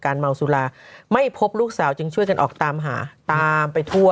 เมาสุราไม่พบลูกสาวจึงช่วยกันออกตามหาตามไปทั่ว